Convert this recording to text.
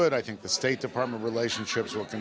dan hubungan perusahaan departemen negeri akan terus berjalan